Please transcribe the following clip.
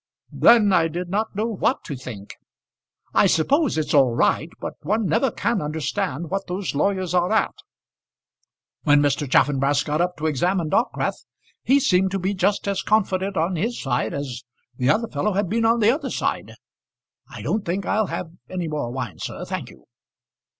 "Then I did not know what to think. I suppose it's all right; but one never can understand what those lawyers are at. When Mr. Chaffanbrass got up to examine Dockwrath, he seemed to be just as confident on his side as the other fellow had been on the other side. I don't think I'll have any more wine, sir, thank you."